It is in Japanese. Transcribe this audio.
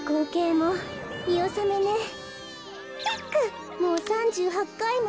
もう３８かいも。